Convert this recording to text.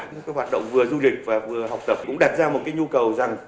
những cái hoạt động vừa du lịch và vừa học tập cũng đặt ra một cái nhu cầu rằng